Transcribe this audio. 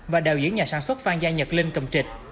và đạo diễn nhà sản xuất phan gia nhật linh cầm trịch